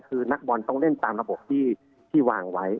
คือนักบอลต้องเล่นตามระบบที่วางไว้